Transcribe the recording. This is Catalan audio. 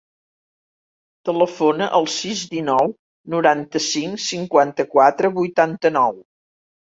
Telefona al sis, dinou, noranta-cinc, cinquanta-quatre, vuitanta-nou.